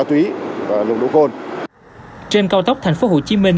trên cao tốc thành phố hồ chí minh